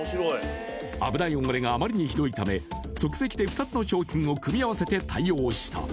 油汚れがあまりにひどいため即席で２つの商品を組合わせて対応した。